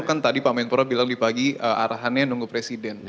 kan tadi pak menpora bilang di pagi arahannya nunggu presiden